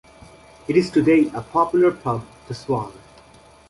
It is today a popular pub, The Swan.